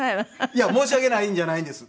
いや申し訳ないんじゃないです。